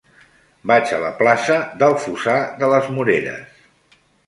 Vaig a la plaça del Fossar de les Moreres.